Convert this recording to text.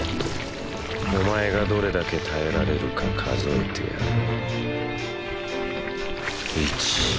お前がどれだけ耐えられるか数えてやる。